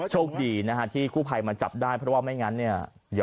โชคดีนะฮะที่กู้ภัยมาจับได้เพราะว่าไม่งั้นเนี่ย